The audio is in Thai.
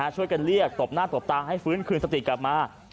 ช่วยกันเรียกตบหน้าตบตาให้ฟื้นคืนสติกลับมา